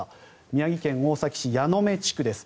宮城県大崎市矢目地区です。